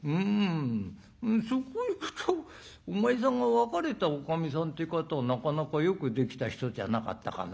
そこいくとお前さんが別れたおかみさんって方はなかなかよくできた人じゃなかったかな」。